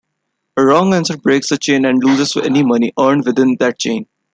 A wrong answer breaks the chain and loses any money earned within that chain.